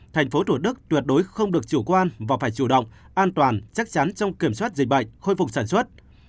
thành phố thủ đức tuyệt đối không được chủ quan và phải chủ động an toàn chắc chắn trong kiểm soát dịch bệnh khôi phục sản xuất